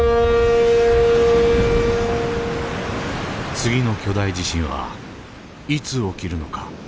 次の巨大地震はいつ起きるのか。